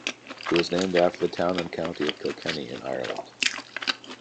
It was named after the town and county of Kilkenny in Ireland.